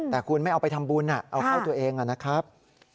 แต่คุณไม่เอาไปทำบุญเอาเข้าตัวเองนะครับ